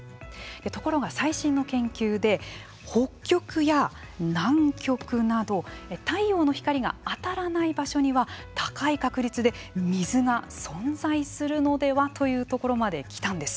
ところが、最新の研究で北極や南極など太陽の光が当たらない場所には高い確率で水が存在するのではというところまで来たんです。